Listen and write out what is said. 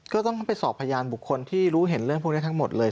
ก็ต้องไปสอบพยานบุคคลที่รู้เห็นเรื่องพวกนี้ทั้งหมดเลย